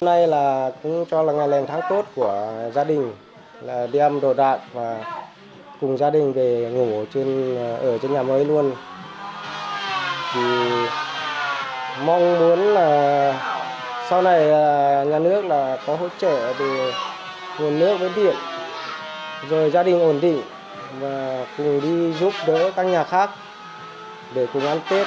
hôm nay cũng cho là ngày lần tháng tốt của gia đình đem đồ đạc và cùng gia đình về ngủ ở trên nhà mới luôn mong muốn sau này nhà nước có hỗ trợ được nguồn nước với biển rồi gia đình ổn định và cùng đi giúp đỡ các nhà khác để cùng ăn tiết